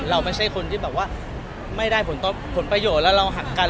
เราไม่ใช่คนที่แบบว่าไม่ได้ผลประโยชน์แล้วเราหักกัน